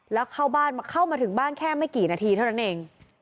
แล้วเข้าบ้านเข้ามาถึงบ้านแค่ไม่กี่นาทีเท่านั้นเอง